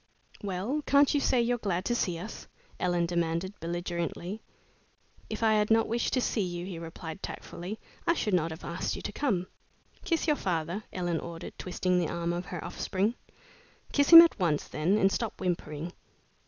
"Well, can't you say you're glad to see us?" Ellen demanded, belligerently. "If I had not wished to see you," he replied, tactfully, "I should not have asked you to come." "Kiss your father," Ellen ordered, twisting the arm of her offspring. "Kiss him at once, then, and stop whimpering."